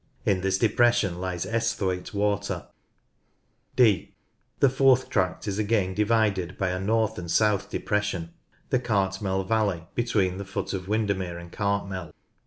In this depression lies Esthwaite Water, (r/) The fourth tract is again divided by a north and south depression, the Cartmel valley, between the foot of Windermere and Cartmel.